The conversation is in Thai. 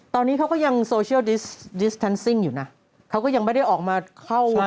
ตอนนี้รถติดเลยเห็นไหมล่ะ